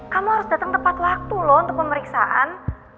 kamu harus datang tepat waktu loh untuk pemeriksaan